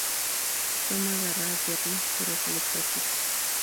Tom agarra a Jerry, pero se electrocuta.